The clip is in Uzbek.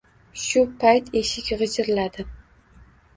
Shu payt eshik gʼijirladi.